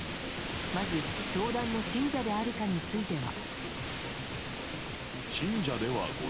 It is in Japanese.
まず、教団の信者であるかについては。